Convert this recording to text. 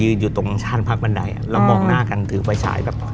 อยู่ตรงชานพักบันไดอ่ะเรามองหน้ากันถือไฟฉายแบบ